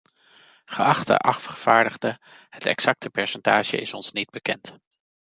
Geachte afgevaardigde, het exacte percentage is ons niet bekend.